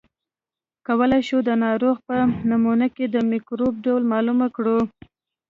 کولای شو د ناروغ په نمونه کې د مکروب ډول معلوم کړو.